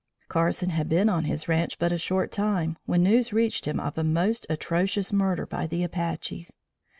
Carson had been on his ranche but a short time, when news reached him of a most atrocious murder by the Apaches.